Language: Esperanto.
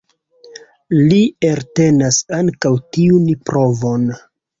Li eltenas ankaŭ tiun provon.